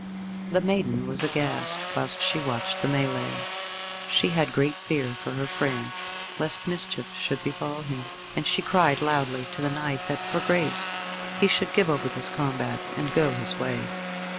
The maiden was aghast whilst she watched the melée. She had great fear for her friend, lest mischief should befall him, and she cried loudly to the knight that, for grace, he should give over this combat, and go his way.